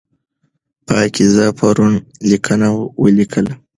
پاکیزه پرون لیکنه ولیکله.